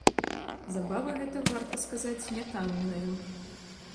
Забава гэта, варта сказаць, не танная.